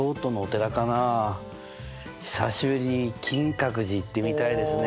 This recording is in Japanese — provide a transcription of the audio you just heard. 久しぶりに金閣寺行ってみたいですねえ。